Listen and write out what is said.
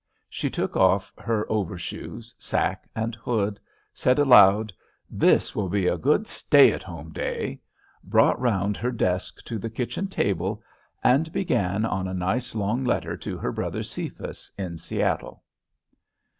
She took off her over shoes, sack, and hood, said aloud, "This will be a good stay at home day," brought round her desk to the kitchen table, and began on a nice long letter to her brother Cephas in Seattle.